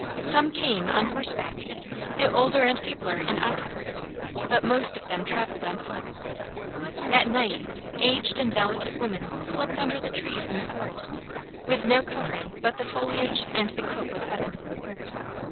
Some came, on horseback; the older and feebler in ox carts, but most of them traveled on foot. At night aged and delicate women slept under trees in the forest, with no covering but the foliage and the cope of heaven.